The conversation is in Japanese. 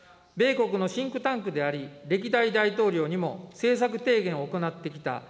米国のシンクタンクであり、歴代大統領にも政策提言を行ってきた